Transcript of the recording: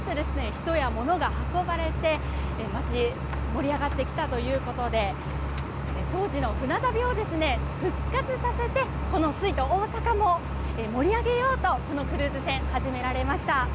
人や物が憧れて街が盛り上がってきたということで当時の船旅をですね復活させてこの水都、大阪を盛り上げようとクルーズ船、始められました。